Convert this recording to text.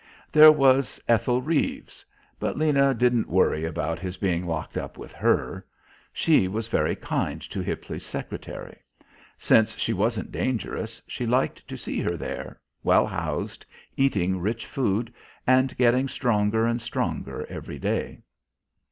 There was Ethel Reeves; but Lena didn't worry about his being locked up with her. She was very kind to Hippisley's secretary. Since she wasn't dangerous, she liked to see her there, well housed, eating rich food, and getting stronger and stronger every day.